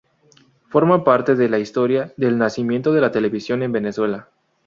Forma parte de la historia del nacimiento de la televisión en Venezuela.